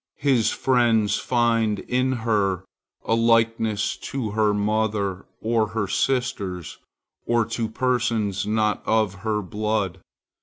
His friends find in her a likeness to her mother, or her sisters, or to persons not of her blood.